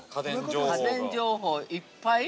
家電情報、いっぱい？